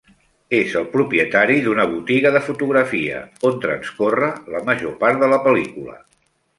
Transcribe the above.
És el propietari d'una botiga de fotografia, on transcorre la major part de la pel·lícula.